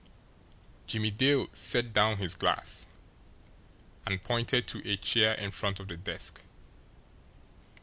Jimmie Dale set down his glass and pointed to a chair in front of the desk.